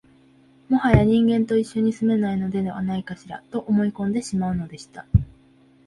もはや人間と一緒に住めないのではないかしら、と思い込んでしまうのでした